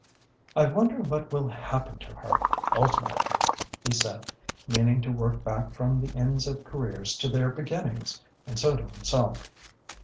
"I wonder what will happen to her ultimately?" he said, meaning to work back from the ends of careers to their beginnings, and so to himself.